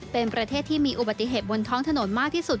เป็นประเทศที่มีอุบัติเหตุบนท้องถนนมากที่สุด